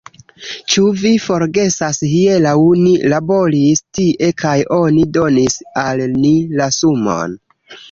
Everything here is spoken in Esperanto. Ĉu vi forgesas hieraŭ ni laboris tie kaj oni donis al ni la sumon!